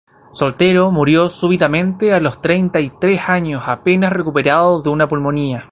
Soltero, murió súbitamente a los treinta y tres años apenas recuperado de una pulmonía.